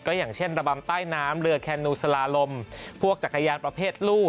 อย่างเช่นระบำใต้น้ำเรือแคนนูสลาลมพวกจักรยานประเภทลู่